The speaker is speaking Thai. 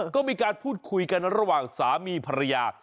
ก็มีการพูดคุยกันระหว่างสามีภรรยา